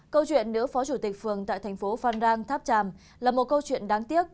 câu chuyện nữ phó chủ tịch phường tại thành phố phan rang tháp tràm là một câu chuyện đáng tiếc